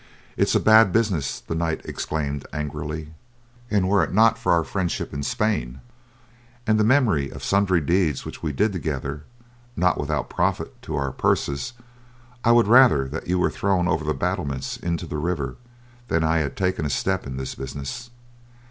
"It is a bad business," the knight exclaimed angrily, "and were it not for our friendship, in Spain, and the memory of sundry deeds which we did together, not without profit to our purses, I would rather that you were thrown over the battlements into the river than I had taken a step in this business.